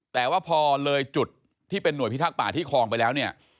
แต่ว่าพอเลยจุดที่เป็นห่วยพิทักษ์ป่าที่คลองไปแล้วเนี่ย